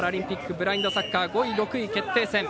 ブラインドサッカー５位、６位決定戦。